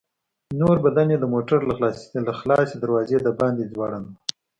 نور بدن يې د موټر له خلاصې دروازې د باندې ځوړند و.